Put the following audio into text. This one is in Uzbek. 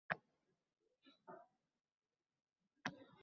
Menimcha, tashvishlanadigan hech narsa yo'q